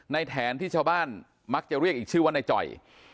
แถนที่ชาวบ้านมักจะเรียกอีกชื่อว่าในจ่อย